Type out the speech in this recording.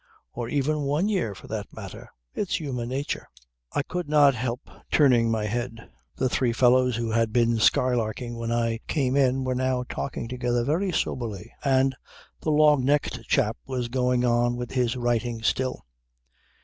Or even one year for that matter. It's human nature." "I could not help turning my head. The three fellows who had been skylarking when I came in were now talking together very soberly, and the long necked chap was going on with his writing still.